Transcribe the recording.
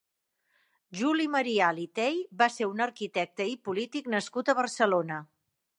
Juli Marial i Tey va ser un arquitecte i polític nascut a Barcelona.